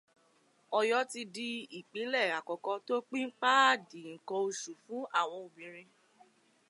Ọ̀yọ́ ti di ìpílẹ̀ àkọ́kọ́ tó pín páàdì ǹkan osu fún àwọn obìnrin.